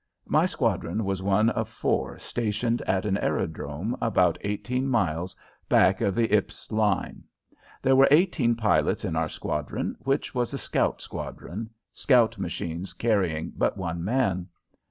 My squadron was one of four stationed at an aerodrome about eighteen miles back of the Ypres line. There were eighteen pilots in our squadron, which was a scout squadron, scout machines carrying but one man.